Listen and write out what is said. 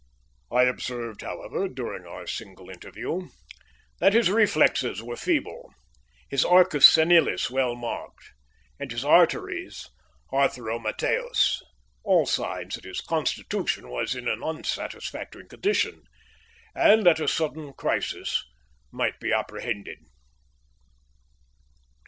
I observed, however, during our single interview, that his reflexes were feeble, his arcus senilis well marked, and his arteries atheromatous all signs that his constitution was in an unsatisfactory condition, and that a sudden crisis might be apprehended.